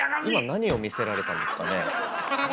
今何を見せられたんですかねえ。